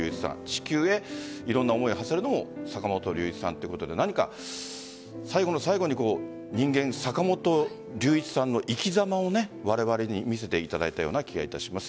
地球へいろんな思いをはせるのも坂本龍一さんということで最後の最後に人間・坂本龍一さんの生き様をわれわれに見せていただいたような気がいたします。